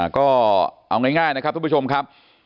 ก็เอาง่ายนะครับทุกผู้ชมครับ